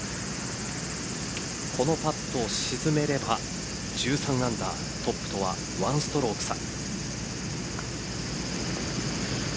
このパットを沈めれば１３アンダートップとは１ストローク差。